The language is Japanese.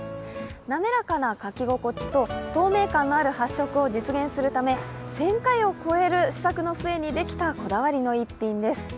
滑らかな描き心地と透明感のある発色を実現するため、１０００回を超える試作の末にできたこだわりの逸品です。